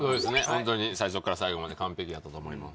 ホントに最初っから最後まで完璧やったと思います